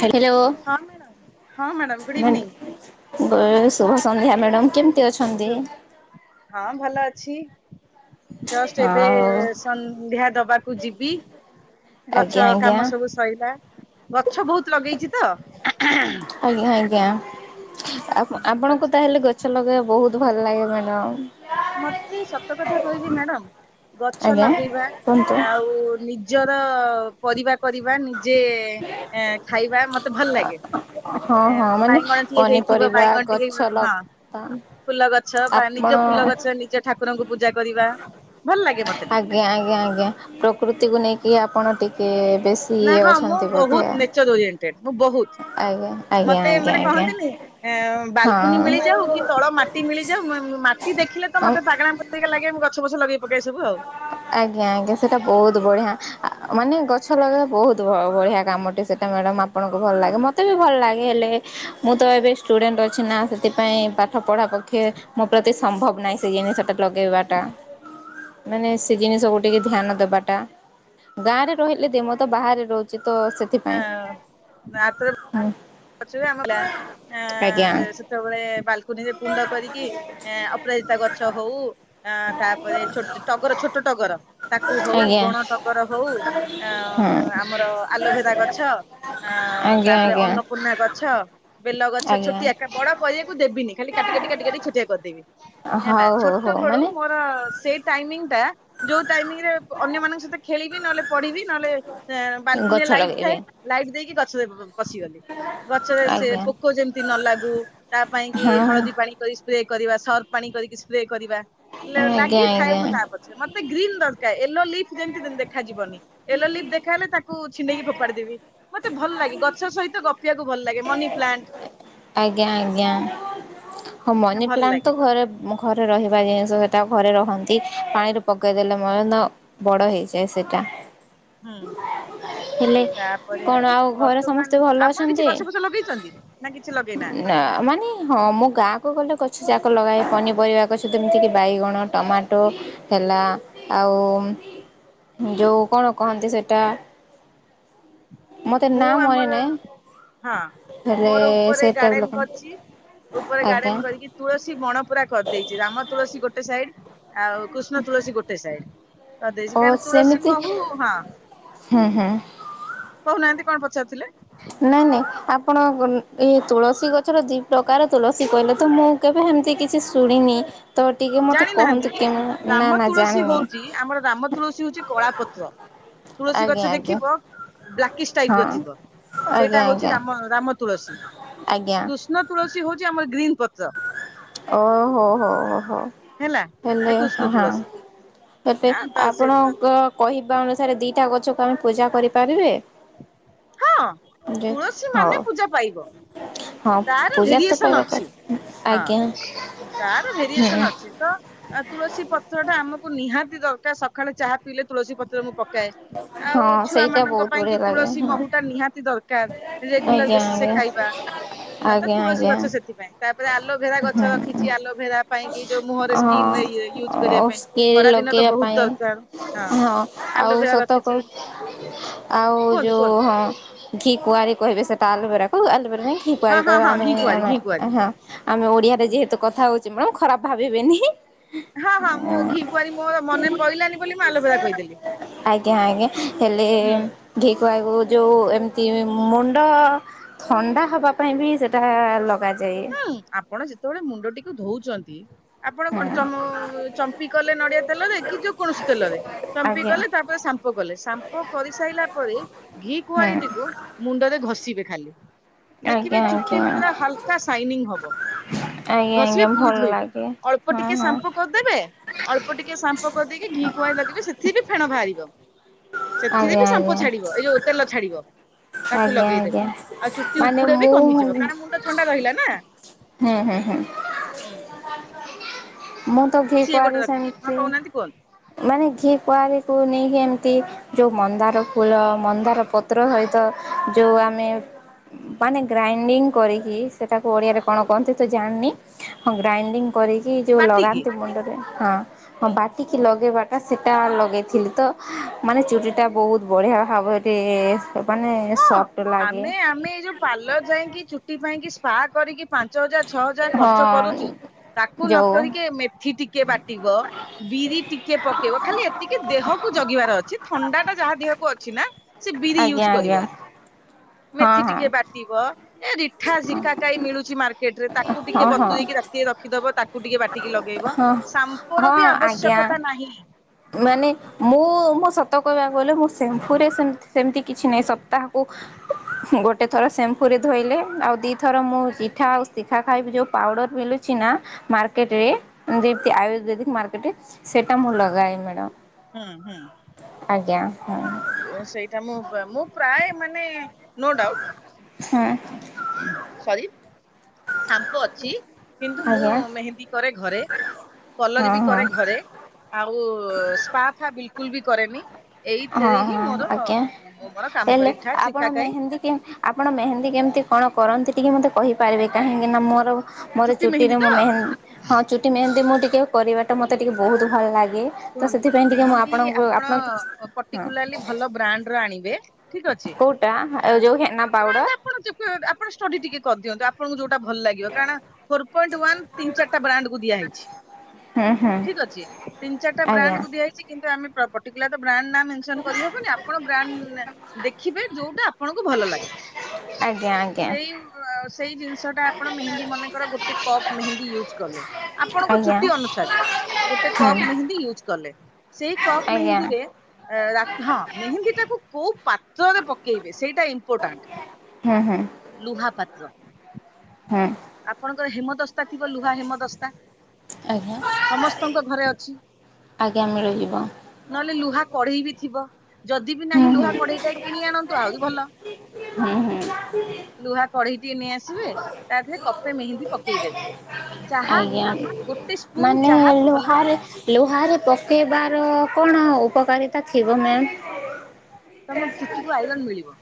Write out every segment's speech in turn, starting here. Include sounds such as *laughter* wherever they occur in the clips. Hello ହଁ madam ହଁ madam good evening. ସୁଭ ସନ୍ଧ୍ୟା। ମ୍ୟାଡ଼ାମ କେମ ହଁ ଭଲ ଅଛି। ଅଛି। ଜଷ୍ଟ ଏବେ ଆଉ ସନ୍ଧ୍ୟା ଦବାକୁ ଯିବି ଆଜ୍ଞା ଗଛ ଆଜ୍ଞା କାମ ସବୁ ସରିଲା ଗଛ ବହୁତ ଲଗେଇଛି ତ। ଆଜ୍ଞା ଆଜ୍ଞା ଆପଣଙ୍କୁ ତାହେଲେ ଗଛ ଲଗେଇବା ବହୁତ ଭଲ ଲାଗେ ମ୍ୟାଡ଼ାମ। ମତେ ସତ କଥା କହିବି ମ୍ୟାଡାମ। ଗଛ ଆଜ୍ଞା ଲଗେଇବା କୁହନ୍ତୁ ଆଉ ନିଜ ନିଜର ପରିବା କରିବା ନିଜ ଯେ ଖାଇବା ମତେ ଭଲ ଲାଗେ। ହଁ ଏ ହଁ ମାନେ ବାଇଗଣ ଟିଏ ହେଇଥିବ ପନିପରିବା ବାଇଗଣ ଟିକେ ଗଛ ହେଇଥିବ ହଁ ଲତା ଫୁଲ ଗଛ ବା ନିଜ ଆପଣ ଫୁଲ ଗଛ ନିଜ ଠାକୁରଙ୍କୁ ପୂଜା କରିବା। ଭଲ ଲାଗେ ମତେ ଟିକେ ଆଜ୍ଞା ଆଜ୍ଞା ଆଜ୍ଞା ପ୍ରକୃତିକୁ ନେଇକି ଆ ଆପଣ ଟିକେ। ବେଶୀ ନା ଇଏ ହଁ ମୁଁ ଅଛନ୍ତି ବୋଧେ ବହୁତ ନେଚର ଓରିଏଣ୍ଟେଡ ମୁଁ ବହୁତ ଆଜ୍ଞା ଆଜ୍ଞା ମତେ ଆଜ୍ଞା ମାନେ କହନ୍ତିନି ବାଲକୁନି ଆଜ୍ଞା ମିଳିଯାଉ କି ତଳ ମାଟି ମିଳିଯାଉ ମାଟି ଦେଖିଲେ ତ ହଁ ମତେ ପାଗେଳାଙ୍କ ପରିକା ଲାଗେ। ଗଛ ପଛ ଲଗେଇ ପକାଏ ସବୁ ଆଉ। ଆଜ୍ଞା ଆଜ୍ଞା ସେଇଟା ବହୁତ ବଢ଼ିଆ ମାନେ ଗଛ ଲଗେଇବା ବହୁତ ବଢ଼ିଆ କାମଟି ସେଇଟା ମ୍ୟାଡ଼ାମ୍ ଆପଣଙ୍କୁ ଭଲ ଲାଗେ ମୋତେ ବି ଭଲ ଲାଗେ ହେଲେ ମୁଁ ତ ଏବେ ଷ୍ଟୁଡେଣ୍ଟ ଅଛି ନା ସେଥିପାଇଁ ପାଠ ପଢ଼ା ପକ୍ଷେ ମୋ ପ୍ରତି ସମ୍ଭବ ନାହିଁ ସେ ଜିନିଷଟା ଲଗେଇବାଟା। ମାନେ ସେ ଜିନିଷକୁ ଟିକେ ଧ୍ୟାନ ଦେବାଟା ଗାଁରେ ରହିଲେ ଦେମ ତ ବାହାରେ ରହୁଛି। ତ ସେଥିପାଇଁ ହୁଁ। ଗଛ ଭି ଆମର ଥିଲା ଆଜ୍ଞା ଯେ ସେତେବେଳେ ବାଲକୁନିରେ କୁଣ୍ଡ କରିକି ଏ ଅପରାଜିତା ଗଛ ହଉ ତାପରେ ଛୋଟ ଛୋ ଟଗର ଛୋଟ ଟଗର ତାକୁ ହଉ ଆଜ୍ଞା ବଣ ଟଗର ହଉ ହଁ ଆମର ଆଲୋଭେରା ଗଛ ଆଜ୍ଞା ତାପରେ ଆଜ୍ଞା ଅନ୍ନ ପୂର୍ଣା ଗଛ। ବେଲଗଛ ଆଜ୍ଞା ଛୋଟିଆ ଏକା ବଡ କରିବାକୁ ଦେବିନି ଖାଲି କାଟି କାଟି କାଟି କାଟି ଛୋଟିଆ କରିଦେବି। ହେଲା ହଉ ହଉ ଛୋଟ ହଉ ବେଳୁ ମାନେ ମୋର ସେଇ ଟାଇମିଙ୍ଗ ଟା। ଯୋଉ ଟାଇମିଂରେ ଅନ୍ୟମାନଙ୍କ ସହିତ ଖେଳିବି ନହେଲେ ପଢିବି। ନହେଲେ ବାଲକୁନିରେ ଗଛ ଲାଇଟ ଥାଏ। ଲଗେଇବେ ଲାଇଟ୍ ଦେଇକି ଗ ପଶିଗଲେ। ଗଛରେ ସେ ଆଜ୍ଞା ପୋକ ଯେମିତି ନ ଲାଗୁ ତା ପାଇଁ କି ହଁ ହଁ ହଳଦୀ ପାଣି କରି ସ୍ପ୍ରେ କରିବା ସରଫ ପାଣି କରିକି ସ୍ପ୍ରେ କରିବା ଆଜ୍ଞା ଲାଗିଥାଏ ମୁଁ ଆଜ୍ଞା ତା ପଛରେ ମତେ ଗ୍ରୀନ୍ ଦରକାର ଏ ୟେଲୋ ଲିଫ୍ ଯେମିତି ଦେଖାଯିବନି। ୟଲୋ ୟେଲୋ ଲିଫ ଦେଖାହେଲେ ହେ ତାକୁ ଛିଣ୍ଡେଇକ ଫୋଡି ଦେବି। ମତେ ଭଲ ଲାଗେ ଗଛ ସହିତ ଗ ଭଲ ଲାଗେ ମନି ପ୍ଲାଣ୍ଟ ଆଜ୍ଞା ଆଜ୍ଞା। ହଁ ମନି ଭଲ ପ୍ଲାଣ୍ଟ ଲାଗେ ତ ଘରେ ଘରେ ରହିବ। ବା ଜିନିଷ ସେଟା ଘରେ ରହନ୍ତି। ପାଣିରେ ପକେଇ ଦେଲେ ମଧ୍ୟ ବଡ ହେଇଯାଏ ସେଟା। ହୁଁ ହେଲେ ତାପରେ କଣ ଆଉ ଘରେ ସମସ୍ତେ ବର୍ତ୍ତମାନ ଭଲ ଆପଣ କିଛି ଅଛନ୍ତି? ଗଛ ଫଛ ଲଗେଇଛନ୍ତି ନା କିଛି ଲଗେଇ ନାହାନ୍ତି? ନା ମାନେ ହଁ ମୁଁ ଗାଁକୁ ଗଲେ ଗ *inaudible* ଲଗାଏ। ପନିପରିବା ଗଛ ଯେମିତିକି ବାଇଗଣ ଟମାଟୋ ହେଲା ଆଉ ଯେଉଁ କଣ କହନ୍ତି ସେଇଟା ମୁଁ ଆମର ନାହିଁ ହଁ ହେଲେ ମୋର ଉପରେ ସେଟା ବି ଗାର୍ଡେନ ଲଗାଏ କରିଛି। ଉପରେ ଆଜ୍ଞା ଗାର୍ଡେନ କରିକି ତୁଳସୀ ବଣ ପୁର କରିଦେଇଛି। ରାମତୁଳସୀ ଗୋଟେ ସାଇଡ ଆଉ କୃଷ୍ଣ ତୁଳସୀ ଗୋଟେ ସାଇଡ କଧେଇଛି ଓ କଣ ତୁଳସୀ ସେମିତି ମହୁ ହଁ ହୁଁ ହୁଁ। କହୁନାହାନ୍ତି କଣ ପଚାରୁଥିଲେ। ନାଇଁ ନାଇଁ ଆପଣ ଏଇ ତୁଳସୀ ଗଛର ଦି ପ୍ରକାର ତୁଳସୀ କହିଲେ। ତ ମୁଁ କେବେ ଏମିତି କିଛି ଶୁଣିନି। ତ ଟିକେ ମୋତେ ଜାଣି ନାହାନ୍ତି କୁହନ୍ତୁ କି? କେମି ନା ରାମ ନା ତୁଳସୀ ଜାଣିନି। ହଉଛି ଆମର ରାମ ତୁଳସୀ ହଉଛି କଳା ପତ। ତୁଳସୀ ଆଜ୍ଞା ଗଛ ଆଜ୍ଞା ଦେଖିବ ବ୍ଲାକିସ୍ ଟାଇପ ର ହଁ ଥିବ ସେଇଟା ଆଜ୍ଞା ହଉଛି ଆଜ୍ଞା ର ରାମ ତୁଳସୀ। କୃଷ୍ଣ ତୁଳସୀ *inaudible* ଆମର ଗ୍ରୀ ଓ ହୋ ହୋ ହୋ ହୋ। ହେଲା ହେଲେ ହେ କୃଷ୍ଣ ହଁ ତୁଳସୀ ହେବେ ଆଁ ତ ସେ ଆପଣଙ୍କ କହିବା ଅନୁସାରେ ଦିଟା ପା ଗଛକୁ ଆମେ ପୂଜା କରିପାରିବେ? ହଁ ଯେ ତୁଳସୀ ହଉ ମାନେ ପୂଜା ପାଇବ। ହଁ ତାର ପୂଜା ତ ଭେରିଏସନ କରିବା କ ଅଛି। ହଁ ଆଜ୍ଞା ତାର ହୁଁ। ଭେରିଏସନ ଅଛି। ତ ତୁଳସୀ ପତ୍ର ଟା ଆମ ନିହାତି ଦରକାର ସକାଳେ ଚାହା ପିଇଲେ ତୁଳସୀ ପତ୍ର ମୁଁ ପ ଏ ଆଉ ହଁ ଛୁଆ ସେଇଟା ମାନଙ୍କ ବହୁତ ପାଇଁ ବଢିଆ କି ଲାଗେ ତୁଳସୀ ହଁ ମହୁ ା ନିହାତି ଦରକାର ରେଗୁଲାର ଆଜ୍ଞା ବସିସ ଆଜ୍ଞା। ଖାଇବା ତ ଆଜ୍ଞା ତୁଳସୀ ଆଜ୍ଞା ଗଛ ସେଥିପାଇଁ ତାପରେ ଆଲୋଭେରା ଗଛ ରଖିଛି ହୁଁ ଆଲୋଭେରା ପାଇଁ କି ଯୋଉ ମୁହରେ ସ୍କିନ ରେ ୟୁଜ୍ କରିବା ହଁ ପାଇଁ ସ୍କିଲ୍ ଥରା ଦିନ ତ ଲଗେଇବା ବହୁତ ପାଇଁ ଦରକାର ହଁ ଆଲୋଭେରା ର ରଖିଛି କରୁଛି ଆଉ କୁହନ୍ତୁ ଯେଉଁ କୁହନ୍ତୁ ହଁ ଘି କୁଆରୀ କହିବେ ସେଟା ଆଲୋବେରା କୁ ଆଲୁବେରା ହଁ ହଁ ଠହ ହଁ ଆମେ ଘି କୁଆଁରି ଘି କୁଆଁରି ଆମେ ଓଡିଆ ହୁଁ। ଯେହେତୁ କଥା ହଛି ମୁ ଖରାପ ଭାବିବେନି ହଁ ହଁ ମୁଁ ଘି କୁଆଁରୀ ମୋର ମନେ ପଇଲାଣି ବୋଲି ମୁଁ ଆଲୋବେରା କହିଦେଲି ଆଜ୍ଞା ଆଜ୍ଞା ହେଲେ ହୁଁ ଘିଁ କୁ ଆ ଯେଉଁ ଏମିତି ମୁଣ୍ଡ ଥଣ୍ଡା ହେବା ପାଇଁ ବି ସେଇଟା ଲଗାଯାଏ। ହୁଁ ଆପଣ ଯେତେ ଯେତେବେଳେ ମୁଣ୍ଡଟିକୁ ଧଉଛନ୍ତି। ଆପଣ କଣ ହୁଁ ଚ ଚମ୍ପି କଲେ ନଡିଆ ତେଲରେ କି ଯେ କୌଣସି ତେଲରେ ଚମ୍ପି ଆଜ୍ଞା କଲେ ତାପରେ ସାମ୍ପ କଲେ ସାମ୍ପ କରିସାରିଲା ପରେ ଘି ହୁଁ କୁଆଁରୀଟିକୁ ମୁଣ୍ଡରେ ଘଷିବେ ଖାଲି ଦେଖିବେ ଆଜ୍ଞା ଚୁଟି ଆଜ୍ଞା। ପୁରା ହଲକା ହବ ଆଜ୍ଞା ଘଷିବେ ଆଜ୍ଞା ପୁଣି ଭଲ ଧୋଇବେ ଲାଗେ ଅଳ୍ପ ହଁ ଟିକେ ହଁ ସାମ୍ପୁ କରିଦେବେ ଅଳ୍ପ ଟିକେ ସାମ୍ପ ପକ ଦେଇକି ଘିକୁଆଁରୀ ଲଗେଇେ ସେଥି ବି ଫେଣ ବାହାରିବ ସେଥିରେ ଆଜ୍ଞା ବି ସାମ୍ପୁ ଆଜ୍ଞା। ଛାଡିବ ଏଇ ଯୋଉ ତେଲ ଛାଡିବ ତାକୁ ଆଜ୍ଞା ଲଗେଇଦେବେ ଆଜ୍ଞା ଆଉ ଚୁଟି ମାନେ ଉପୁଡା ବି ମୁଁ କମିଯିବ କାରଣ ମୁଣ୍ଡ ଥଣ୍ଡା ରହିଲାନା ହଁ ହୁଁ ହୁଁ ହୁଁ ମୁଁ ତ ସିଏ ଗୋଟେ ଘିକୁଆଁରୀ ରଖିବେ ହଁ ସେମିତି କହୁନାହାନ୍ତି କୁହନ୍ତୁ ମାନେ ଘି କୁଆରୀକୁ ନେଇକି ଏମିତି ଯେଉଁ ମନ୍ଦାର ଫୁଲ ମନ୍ଦାର ପତ୍ର ସହିତ ଯଉଆମେ ମାନେ ଗ୍ରାଇଣ୍ଡିଙ୍ଗ କରିକି ସେଟାକୁ ଓଡ଼ିଆରେ କଣ କହନ୍ତି ତ ଜାଣିନି ହଁ ଗ୍ରାଇଡିଂ କରିକି ଯୋଉ ବାଟିକି ଲଗାନ୍ତି ମୁଣ୍ଡରେ ହଁ ହଁ ବାଟିକି ଲଗେଇବା ଟା ସେଟା ଲଗେଇଥିଲି ତ ମାନେ ଚୁଟିଟା ବହୁତ ବଢିଆ ଖାବ ଏଠି ମାନେ ସବ ଆମେ ଆମେ ଏଇ ଯୋଉ ପାାର୍ଲର ଯାଇଁକି ଚୁଟି ପାଇଁକି ସ୍ପା କରିକି ପାନ୍ ପାଞ୍ଚ ହଜାର ଛଅ ହଜାର ଖର୍ଚ୍ଚ ହଁ କରୁଚେ ତାକୁ ଯୋଉ ନକରିକି ଏ ମେଥି ଟିକେ ବାଟିବ ବିରି ଟିକେ ପକେଇବ ଖାଲି ଏତିକି ଦେହକୁ ଜଗିବାର ଅଛି ଥଣ୍ଡାଟା ଯାହା ଦେହକୁ ଅ ଛି ନା ସେ ବିରି ଆଜ୍ଞା ୟୁଜ୍ ଆଜ୍ଞା କରିବନି। ହଁ ମେଥି ହଁ ଟିକେ ବାଟିବ ଏ ରିଠା ଶିକା କାଇ ମିଳୁଛି ମାର୍କେଟ ତାକୁ ହଁ ଟିକେ ହଁ ବତୁରେଇକି ରାତିରେ ରଖିଦବ। *inaudible* କୁ ଟିକେ ବାଟିକି ଲଗେଇବ ହଁ ସାମ୍ପ ର ହଁ ବି ଆଜ୍ଞା ଆବଶ୍ୟକତା ନାହିଁ। ମାନେ ମୁଁ। ମୁଁ ସତ କହିବାକୁ ଗଲେ ମୁ ସେମ୍ପୁରେ ସେମ ସେମିତି କିଛି ନାହିଁ ସ ତାହାକୁ ଗୋ ଗୋଟେ ଥର ଶମ୍ପୁରେ ଧୋଇଲେ ଆଉ ଦିଇଥର ମୁଁ ଚିଠା ଆଉ ଶିଖା ଖାଇବି ଯେଉଁ ପାଉଡ଼ର ମିଳୁଛି ନା ମାର୍କେଟରେ ଯେମିତି ଆୟୁର୍ବେଦିକ ମାର୍କେଟରେ ସେଇଟା ମୁଁ ଲଗାଏ। ମ୍ୟାଡ଼ାମ। ହୁଁ ହୁଁ। ଆଜ୍ଞା ହଁ। ଆ ସେଇଟା ମୁଁ ମୁଁ ପ୍ରାୟ ମାନେ। No doubt. ହଁ ସରି ସାମ୍ପୋ ଅଛି। କିନ୍ତୁ ମୁଁ ଆଜ୍ଞା ମେହେନ୍ଦୀ କରେ ଘରେ କଲର ହଁ ବି ହଁ କରେ ଘରେ ଆଉ ସ୍ପାଫା ବି। କୁଲ ବି କରେନି। ହଁ ଏଇଥିରେ ହିଁ ହଁ ମୋର ଆଜ୍ଞା ମୁଁ ମୋର କାମ କରେ ହେଲେ ରିଠା ଆପଣ ଝିକା କାଇ ମେହେନ୍ଦୀ କେ ଆପଣ ମେହେନ୍ଦୀ କେମିତି। କଣ କରନ୍ତି ଟିକେ ମୋତେ କହିପାରିବେ କାହିଁକିନା ମୋର ମୋର ଚୁଟି ମେହେନ୍ଦୀ ଚୁଟିରେ ମୁଁ ତ? ମେହେଁ ହଁ ଚୁଟି ମେହେନ୍ଦୀ ମୁଁ ଟି ଟିକେ କରିବାଟା ମତେ ଟିକେ ବୋହୁତୁ ଭଲ ଲା ତ ଶୁଣନ୍ତୁ ସେଥିପାଇଁ ଟିକେ ମୁଁ ଆପଣଙ୍କୁ ଆପଣ। ହଁ ରେଗୁଲାରଲି ଭଲ ବ୍ରାଣ୍ଡର ଆ ଆଣିବେ। ଠିକ ଅଛି କୋଉଟା ଅଁ ଯୋଉ ହେନା *unintelligible* ପାଉଡର ଆପଣ ଆପଣ ଷ୍ଟଡି ଟିକେ କରିଦିଅନ୍ତୁ ଆପ ଆପଣଙ୍କୁ ଯୋଉଟା ଭଲ ଲାଗିବ କାରଣ ଫୋର ପଏଣ୍ଟ ୱାନ ତିିନଟା ଚାରିଟା ବ୍ରାଣ୍ଡକୁ ଦିଆହେଇଛି। ହୁଁ ହୁଁ ଠିକ ଅଛି ତିନ ଆଜ୍ଞା। ବ୍ରାଣ୍ଡକୁୁ ଦିଆହେଇଚି କିନ୍ତୁ ଆମେ ପଟିକୁଲାର୍ ବ୍ରାଣ୍ଡ ନା ମେନସନ କରିହବନି ଆପଣ ବ୍ରାଣ୍ଡ ଦେଖିବେ ଯୋଉଟା ଆ ଆପଣଙ୍କୁ ଭଲ ଲାଗେ। ଆଜ୍ଞା *inaudible* ଆଜ୍ଞା ସେଇଆ। ସେଇ ଜିନ ଜଉଟା ଆପଣ ମେହେନ୍ଦୀ ମନେକର ଗୋଟେ କପ୍ ମେହେନ୍ଦୀ ୟୁଜ କଲେ, ଆପଣଙ୍କ ଆଜ୍ଞା ଚୁଟି ଅନୁସାରେ ଗୋଟେ କପ ହୁଁ ୟୁଜ୍ କଲେ। ସେଇ କପ ଆଜ୍ଞା ମେହେନ୍ଦୀରେ ରା ହଁ ମେହେନ୍ଦୀ ଟାକୁ କୋଉ ପାତ୍ରରେ ପକେଇବେ, ସେଇଟା ଇମ୍ପୋର୍ଟାଣ୍ଟ ହୁଁ ହୁଁ ଲୁହାପାତ୍ର ହୁଁ ଆପଣଙ୍କର ହେମ ଦଶତା ଥିବ? ଲୁହା ହେମ ଦଶତା ଆଜ୍ଞା ସମସ୍ତଙ୍କ ଘରେ ଅଛି? ଆଜ୍ଞା ମିଳିଯିବ *inaudible* ନହେଲେ ଲୁହା କଢେଇ ବି ଥିବ? ଯଦି ବି ହୁଁ ନାହିଁ, ଲୁହା ହୁଁ କଢେଇଟାଏ କିଣି ଆଣନ୍ତୁ ଆହୁରି ଭଲ। ହୁଁ ହୁଁ ଲୁହା କଢେଇ ଟେ ନେଇ ଆସିବେ ତା ଧରେ କପେ ମେହେନ୍ଦି ପକେଇଦବେ। ଆଜ୍ଞା ମାନେ ଚାହା ଭଲ କି ଲୁହାରେ ଲୁହାରେ ପକେଇବାର ଅ କଣ ଉପକାରିତା ଥିବ ମ୍ୟାମ? ତମ ଚୁଟିକୁୁ ଆଇରନ୍ ମିଳିବ।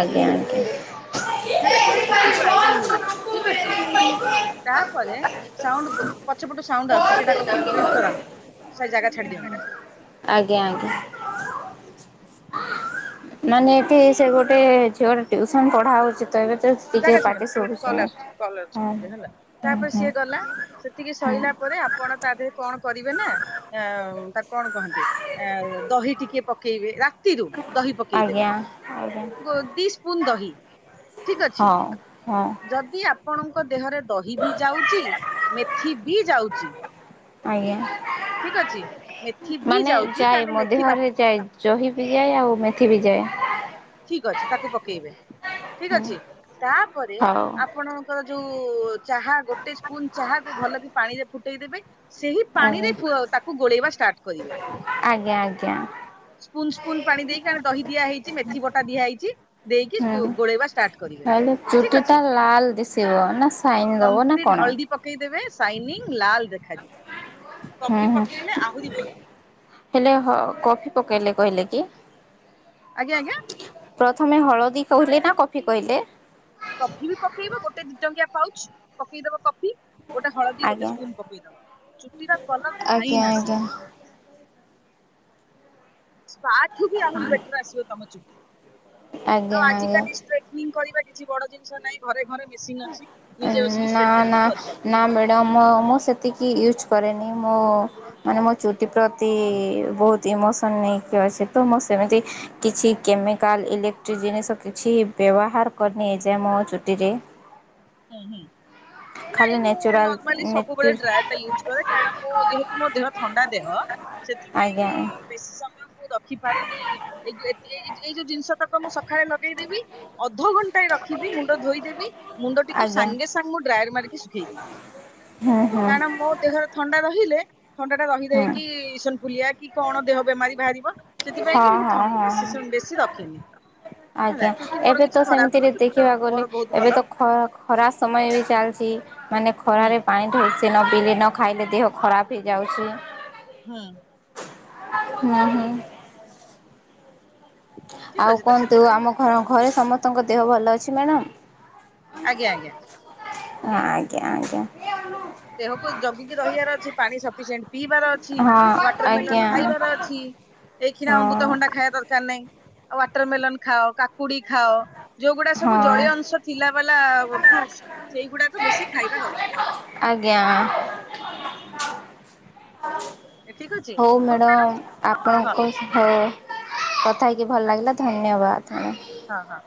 ଆଜ୍ଞା ଆଜ୍ଞା ହେଲା, ଚୁଟିକୁ ଆଇରନ ମିଳିବ। ଠିକ ଅଛି? ତା ଆ ପରେ, ସାଉଣ୍ଡ ପଛପଟୁ ସାଉଣ୍ଡ ଆସୁଚି, ସେଟା କ କ ମ୍ୟୁଟ କରାନ୍ତୁ। ସେ ଜାଗା ଛାଡି ଆଜ୍ଞା ଆଜ୍ଞା। ଦିଅନ୍ତୁ। ନା ନିଏକି ସେ ଗୋଟେ ଝିଅଟେ ଟିୁଉସନ ପଢା ହଉଛି। ତ ଏବେ ତ ଟିକେ ଜାଗା ପାଟି ଛାଣନ୍ତୁ, ଶୁଭୁଛି। କଲ ଆସୁଚି-କଲ ହଁ ଅସୁଚି ହେଲା। ହୁଁ ତାପରେ ହୁଁ ସିଏ ଗଲା, ସେତିକି ହୁଁ ସଇଲା ପରେ ଆପଣ ତା ଧରେ କଣ। କରିବେ ନା, ଉ-ଉ ତାକୁ କଣ କହନ୍ତି? ଆ ଦହି ଟିକେ ପକେଇବେ, ରାତିରୁ *inaudible* ଦହି ପକେଇଦବେ, ଆଜ୍ଞା ଆଜ୍ଞା ଦି ସ୍ପୁନ ଦହି ଠିକ ଅଛି? ହଁ ହଁ। *inaudible* ଯଦି ଆପଣଙ୍କୁ ଦେହରେ ଦହି ବି ଯାଉଚି ମେଥି ବି ଯାଉଚି। ଆଜ୍ଞା ଠିକ ଅଛି? ମେଥି ବି ଯାଉଚି ତାହେଲେ ମେଥି ବା ଦହି ବିି ଯାଏ, ଆଉ ମେଥି ବି ଯାଏ। ଠିକ ଅଛି ତାକୁ ପକେଇବେ। *inaudible* ଠିକ ଅଛି? ତାପରେ ଏ ହଉ ଆପଣଙ୍କର। ତାକୁ-ଉ, ଚାହା ଗୋଟେ ସ୍ପୁନ ଚାହା କୁ ଭଲ କି ପାଣିରେ ଫୁଟେଇଦବେ ଯୋଉ ସେହି ଆଜ୍ଞା ପାଣିରେ ପ ତାକୁ ଗୋଳେଇବା ଷ୍ଟାର୍ଟ କରିବେ। ଆଜ୍ଞା ଆଜ୍ଞା ସ୍ପୁନ ସ୍ପୁନ ପାଣି ଦେଇକି ଆମେ ଦହି ଦିଆହେଇଚି, ମେଥି ବଟା ଦିଆହେଇଚି। ଦେଇକି ହୁଁ। ଗୋଳେଇବା ଷ୍ଟାର୍ଟ କରିବେ। ହେଲେ ଚୁଟି ଠିକ ଟା ଅଛି? ଲାଲ ଦିଶିବ ନା ସାଇନ ଦବ ନା କମପ୍ଲିଟ କଣ? ହଳଦୀ ପକେଇ ଦେ ତେବେ ସାଇନିଂ ଲାଲ ଦେଖାଯିବ ହୁଁ କଫି ହୁଁ ପକେଇଲେ ଆହୁରି ଭଲ ହେଲେ ହ କଫି ପକେଇଲେ କହିଲେ କି? ଆଜ୍ଞା ଆଜ୍ଞା ଥମେ ହଳଦୀ କହିଲେ ନା କଫି କହିଲେ କଫି ବି ପକେଇବ ଗୋଟେ ଦି ଟଙ୍କିଆ ପାଉଚ୍ ପକେଇଦବ କଫି ଗୋଟେ ହଳଦୀ ଗୋଟେ ଆଜ୍ଞା। ସ୍ପୁନ ପକେଇଦବ ଚୁଟିର କଲର ଆଜ୍ଞା ଫାଇନ୍ ଆସିବ ଆଜ୍ଞା। ସ୍ପା ଠୁ ବି ଆହୁରି ବେଟର ଆସିବ ତମ ଚୁଟି ଆଉ ଆଜ୍ଞା ଆଜି ଆଜ୍ଞା କାଲି ଷ୍ଟେଟ୍ନିଙ୍ଗ କରିବା କିଛି ବଡ ଜିନିଷ ନାଇଁ ଘରେ ଘରେ ମେସିନ୍ ଅଛି ନିଜେ ବସିକି ନା ଷ୍ଟ୍ରେଟନିଂ ନା ବି ନା କରିପାରିବ ମାଡାମ୍ ମୁଁ ମୁଁ ସେତିକି ୟୁଜ୍ କରେନି ମୁଁ ମାନେ ମୋ ଚୁଟି ପ୍ରତି ବହୁତ ଇମୋସନ୍ ନେଇକି ଆସେତ ମୁଁ ସେମିତି ହୁଁ କିଛି କେମିକାଲ ଇଲେକ୍ଟ୍ରି ଯୋଉ ଜିନିଷ କିଛି ବ୍ୟବହାର କରିନି ଯେ ମୋ ଚୁଟିରେ ହୁଁ ହୁ ଖାଲି ନାଇଁ ମୁଁ ନେଚୁରାଲ ନର୍ମାଲି ନେଚୁ ସବୁବେଳେ ଡ୍ରାୟାର୍ ଟା ୟୁଜ୍ କରେ କାରଣ ମୁଁ ଯେହେତୁ ମୋ ଦେହ ଥଣ୍ଡା ଦେହ ସେଥିପାଇଁ କି ଆଜ୍ଞା। ବେସି ସମୟ ମୁଁ ରଖିପାରିନି ଏଇ ଗୁ ଏଇ ତି ଯୋଉ ଜିନିଷ ତକ ମୁଁ ସକାଳେ ଲଗେଇଦେବି ଅଧ ଧଘଣ୍ଟାଏ ରଖିବି ମୁଣ୍ଡ ଧୋଇଦେବି ମୁଣ୍ଡ ଟିକ ତାକୁ ଆଜ୍ଞା ସାଙ୍ଗେ ସାଙ୍ଗେ ମୁଁ ଡ୍ରାୟାର ମାରିକି ଶୁଖେଇ ଦିଏ ହୁଁ ହୁଁ କାରଣ ମୋ ଦେହରେ ଥଣ୍ଡା ରହିଲେ ଥଣ୍ଡା ଟା ରହି ରହି ହୁଁ କି ଇସନ ଫୁଲିଆ କି କଣ ଦେହ ବେମାରୀ ବାହାରିବ ସେଥିପାଇଁ କି ହଁ ମୁଁ ହଁ ଥଣ୍ଡ ହଁ। ବେଶୀ ସମୟ ବେଶୀ ରଖେନି ହେଲା ଆଜ୍ଞା ଚୁଟି ମୋର ଏବେ ତ କିଛି ଖରାପ ସେମିତିରେ ନୁହଁ ଚୁଟି ତ ଦେଖିବାକୁ ଗଲେ ମୋର ବହୁତ ଏବେ ତ ଭଲ ଖ ଖରା ସମୟ ଏବେ ଚାଲଚି ମାନେ ହୁଁ ଖରାରେ ପାଣି ଢଳିଛି ତିନୋଟି ଦିନ ଖାଇଲେ ଦେହ ଖରାପ ହେଇଯାଉଛି ହୁଁ ନାହିଁ ଠିକ ଆଉ ଅଛି ତ କହନ୍ତୁ ସେଥିପାଇଁ ଆମ ଘର ଘରେ ସମସ୍ତେ ତାଙ୍କ ଦେହ ଭଲ ଅଛି ମାଡ଼ାମ ଆଜ୍ଞା ଆଜ୍ଞା ହଁ ଆଜ୍ଞା ଆଜ୍ଞା ଦେହକୁ ଜଗିକି ରହିବାର ଅଛି ପାଣି ସଫିସିଏଣ୍ଟ ପିଇବାର ଅଛି ହଁ ୱାଟର ଆଜ୍ଞା ମେଲନ ଖାଇବାର ଅଛି ଏଇକଖିନା ହଁ। ଅମୃତଭଣ୍ଡା ଖାଇବା ଦରକାର ନାହିଁ ଆଉ ୱାଟରମେଲନ ଖାଅ କାକୁଡି ଖାଅ ଯୋଉଗୁଡା ହଁ ସବୁ ଜଳୀୟ ଅଂଶ ଥିଲା ବଲା ଫ୍ରୁଟ୍ସ ସେଇଗୁଡାକୁ ବେଶୀ ଖାଇବା ଦରକାର *inaudible* ଠିକ ଅଛି ହୋଉ ହଉ ମ୍ୟାଡାମ ମ୍ୟାଡ଼ମ୍ ତାହେଲେ ହଁ ହଁ ଆପଣଙ୍କ ହୋଉ ଥାଇକି ଭଲ୍ ଲାଗିଲା ଧନ୍ୟବାଦ। ମ୍ୟାଡ଼ାମ। ହଁ ହଁ।